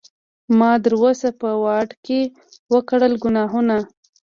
ما د روس په واډکې وکړل ګناهونه